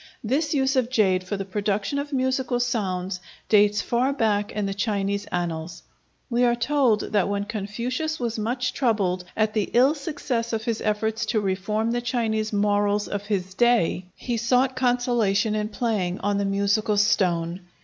This use of jade for the production of musical sounds dates far back in the Chinese annals. We are told that when Confucius was much troubled at the ill success of his efforts to reform the Chinese morals of his day, he sought consolation in playing on the "musical stone."